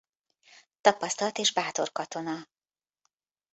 Tapasztalt és bátor katona.